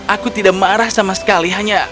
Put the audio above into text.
aku tidak marah sama sekali hanya